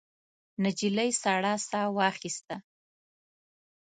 نجلۍ سړه ساه واخیسته.